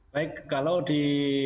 baik kalau di